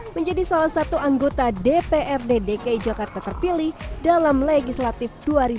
menjadi salah satu anggota dprd dki jakarta terpilih dalam legislatif dua ribu sembilan belas